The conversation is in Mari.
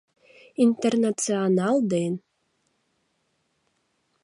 ...Интернационал ден